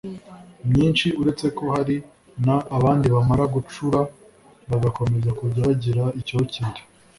myinshi uretse ko hari n abandi bamara gucura bagakomeza kujya bagira icyokere